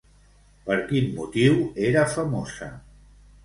Per quin motiu era famosa?